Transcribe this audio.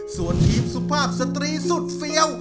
ส่วนทีมสุภาพสตรีสุดเฟี้ยว